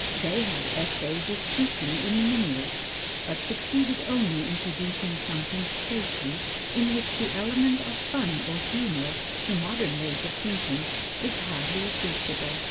They had essayed it chiefly in the minuet, but succeeded only in producing something stately, in which the element of fun or humor, to modern ways of thinking is hardly appreciable.